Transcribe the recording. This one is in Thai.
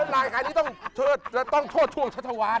นี่ต้องโทษช่วงชะวาน